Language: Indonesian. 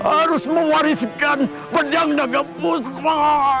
harus mewariskan pedang naga kuspa